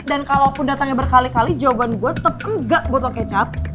dan kalo aku datengnya berkali kali jawaban gue tetep enggak botol kecap